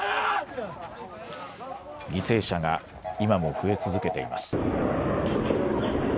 犠牲者が今も増え続けています。